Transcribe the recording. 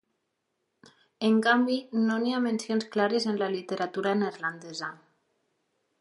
En canvi, no n'hi ha mencions clares en la literatura neerlandesa.